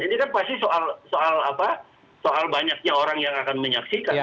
ini kan pasti soal banyaknya orang yang akan menyaksikan